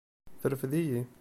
Terfed-iyi.